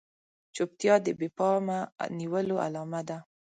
چوپتيا د بې پامه نيولو علامه ده.